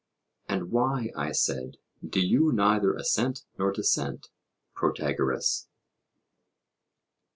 And why, I said, do you neither assent nor dissent, Protagoras?